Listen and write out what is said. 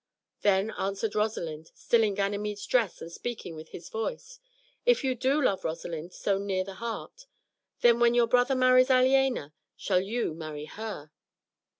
Then answered Rosalind, still in Ganymede's dress and speaking with his voice "If you do love Rosalind so near the heart, then when your brother marries Aliena, shall you marry her."